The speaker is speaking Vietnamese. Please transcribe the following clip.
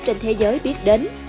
trên thế giới biết đến